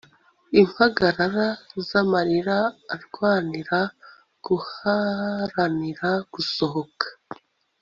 Impagarara zamarira arwanira guharanira gusohoka